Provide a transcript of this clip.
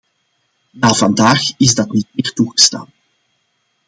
Na vandaag is dat niet meer toegestaan.